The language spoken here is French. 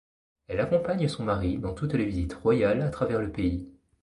Elle accompagne son mari dans toutes les visites royales à travers le pays.